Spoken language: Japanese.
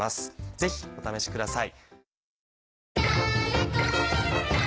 ぜひお試しください。